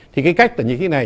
thì cái cách tự nhiên thế này